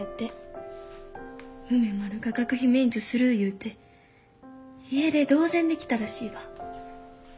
梅丸が学費免除する言うて家出同然で来たらしいわ。